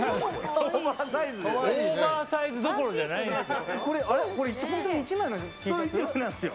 オーバーサイズどころじゃないんですよ。